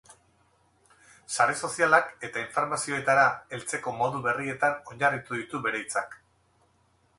Sare sozialak eta informazioetara heltzeko modu berrietan oinarritu ditu bere hitzak.